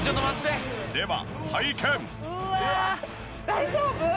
大丈夫？